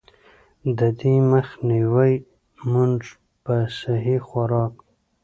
د دې مخ نيوے مونږ پۀ سهي خوراک ،